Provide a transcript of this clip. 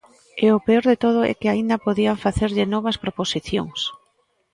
E o peor de todo é que aínda podía facerlle novas proposicións.